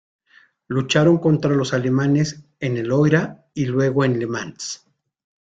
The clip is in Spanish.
Lucharon contra los alemanes en el Loira, y luego en Le Mans.